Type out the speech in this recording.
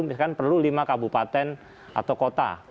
misalkan perlu lima kabupaten atau kota